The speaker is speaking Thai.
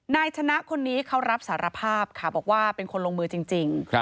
นายชนะคนนี้เขารับสารภาพค่ะบอกว่าเป็นคนลงมือจริง